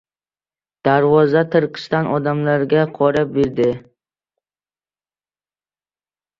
Darvoza tirqishidan odamlar qora berdi.